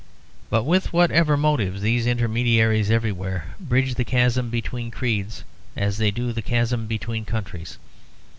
But with whatever motives, these intermediaries everywhere bridge the chasm between creeds as they do the chasm between countries.